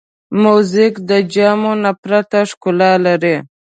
موزیک د جامو نه پرته ښکلا لري.